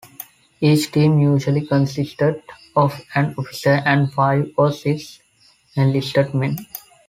Each team usually consisted of an officer and five or six enlisted men.